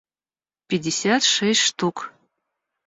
пятьдесят шесть штук